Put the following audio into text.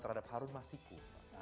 terhadap harun masiku